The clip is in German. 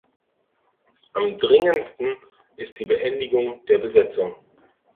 Am dringendsten ist die Beendigung der Besetzung.